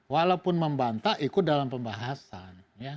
walaupun membantah ikut dalam pembahasan